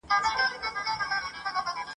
د ښار خلک هم پر دوو برخو وېشلي ,